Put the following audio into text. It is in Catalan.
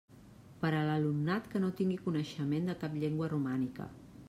Per a l'alumnat que no tingui coneixement de cap llengua romànica.